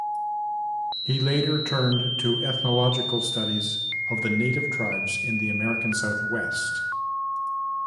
He later turned to ethnological studies of the native tribes in the American Southwest.